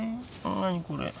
何これ？